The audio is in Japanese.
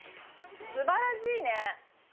すばらしいね。